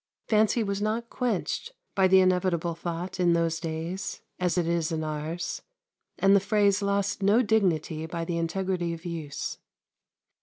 Fancy was not quenched by the inevitable thought in those days, as it is in ours, and the phrase lost no dignity by the integrity of use.